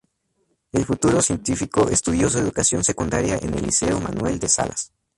El futuro científico estudió su educación secundaria en el Liceo Manuel de Salas.